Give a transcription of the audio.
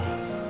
dan saya juga